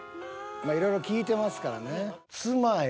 いろいろ聴いてますからね。